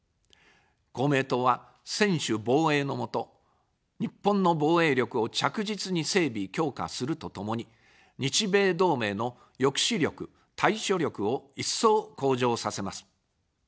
公明党は、専守防衛の下、日本の防衛力を着実に整備・強化するとともに、日米同盟の抑止力・対処力を一層向上させます。